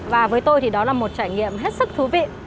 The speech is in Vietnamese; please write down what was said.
và với tôi thì đó là một trải nghiệm hết sức thú vị